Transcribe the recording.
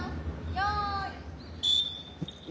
よい。